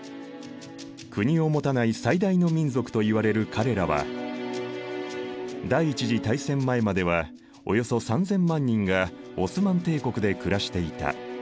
国を持たない最大の民族といわれる彼らは第一次大戦前まではおよそ３，０００万人がオスマン帝国で暮らしていた。